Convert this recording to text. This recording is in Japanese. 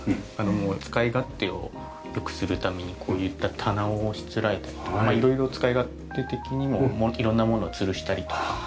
もう使い勝手を良くするためにこういった棚をしつらえたりとか色々使い勝手的にも色んなものをつるしたりとか。